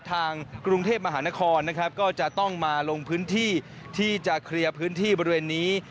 ทางกรุงเทพมหานครนะครับก็จะต้องมาลงพื้นที่ที่จะเคลียร์พื้นที่บริเวณนี้